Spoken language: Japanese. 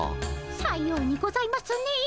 さようにございますねえ。